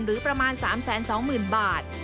หรือประมาณ๓๒๐๐๐บาท